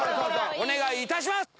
お願いいたします！